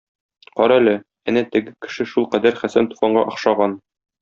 Кара әле, әнә теге кеше шулкадәр Хәсән Туфанга охшаган.